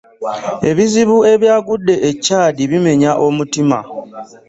Ebizibu ebyagudde e Chad bimenya omutima.